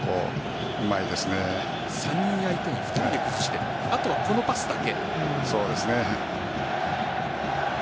３人相手に２人で崩してあとはこのパスだけ。